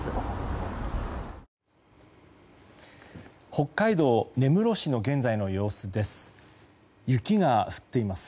北海道根室市の現在の様子です。